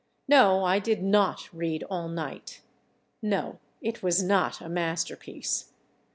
No, I did not read all night. No, it was not a masterpiece.